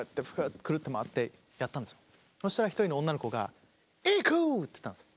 そしたら一人の女の子が「ＩＫＵ！」って言ったんですよ。